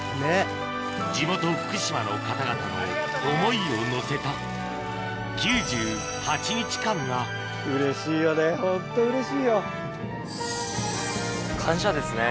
地元福島の方々の思いをのせたうれしいよねホントうれしいよ！感謝。